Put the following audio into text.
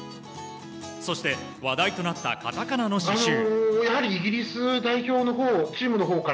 そして話題となったカタカナの刺しゅう。